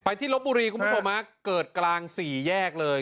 ไปที่รบบุรีครับคุณผู้ชมฮะเกิดกลาง๔แยกเลย